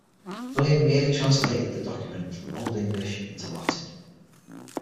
William merely translated the document from Old English into Latin.